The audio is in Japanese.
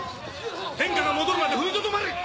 殿下が戻るまで踏みとどまれ！